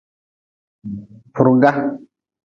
Furga.